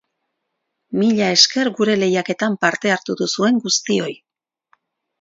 Mila esker gure lehiaketan parte hartu duzuen guztioi!